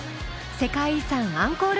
世界遺産アンコール